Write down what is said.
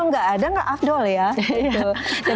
nah makanan khas arri raya ini